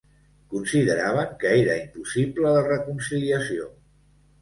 Consideraven que era impossible la reconciliació.